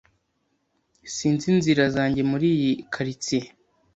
Sinzi inzira zanjye muri iyi quartier.